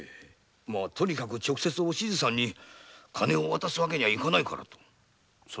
とにかく直接お静さんに金を渡すわけにはいかないからと。